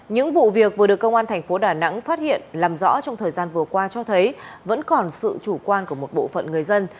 những vụ việc vừa được công an thành phố đà nẵng phát hiện làm rõ trong thời gian vừa qua cho thấy vẫn còn sự chủ quan của một bộ phận người dân